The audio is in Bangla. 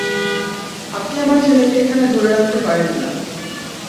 আপনি আমার ছেলেকে এখানে ধরে রাখতে পারেন না।